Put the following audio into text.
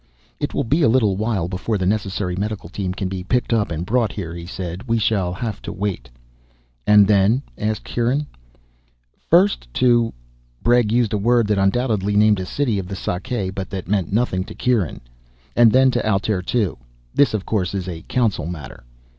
"It will be a little while before the necessary medical team can be picked up and brought here," he said. "We shall have to wait." "And then?" asked Kieran. "First to " Bregg used a word that undoubtedly named a city of the Sakae but that meant nothing to Kieran, " and then to Altair Two. This, of course, is a council matter."